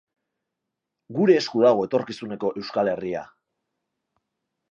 Gure esku dago etorkizuneko Euskal Herria.